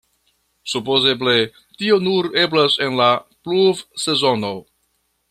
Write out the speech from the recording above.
Supozeble tio nur eblas en la pluvsezono.